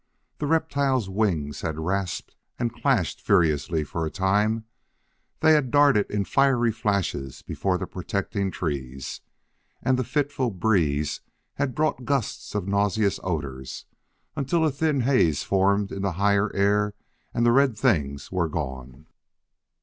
The reptiles' wings had rasped and clashed furiously for a time; they had darted in fiery flashes before the protecting trees: and the fitful breeze had brought gusts of nauseous odors until a thin haze formed in the higher air and the red things were gone.